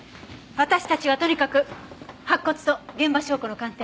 私たちはとにかく白骨と現場証拠の鑑定を。